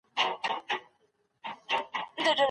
ایا صبر او زغم لرل تر ټولو مهم تدبير دی؟